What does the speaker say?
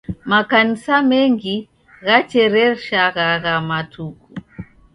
Makanisa mengi ghachereshaghaagha matuku.